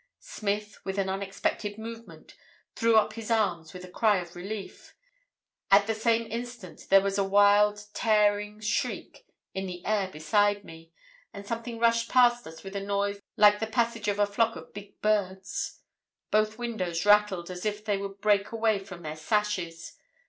Smith, with an unexpected movement, threw up his arms with a cry of relief. At the same instant there was a wild, tearing shriek in the air beside me and something rushed past us with a noise like the passage of a flock of big birds. Both windows rattled as if they would break away from their sashes.